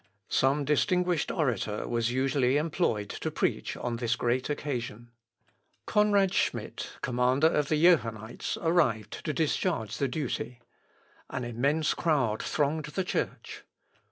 Some distinguished orator was usually employed to preach on this great occasion. Conrad Schmid, commander of the Johannites, arrived to discharge the duty. An immense crowd thronged the church.